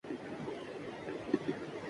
ہم ناچے گے